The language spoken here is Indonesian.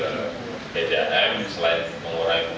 selain mengurangi pemakian air tanah juga bisa meningkatkan pad